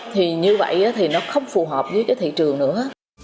thì như vậy thì nó không phù hợp với cái thị trường nữa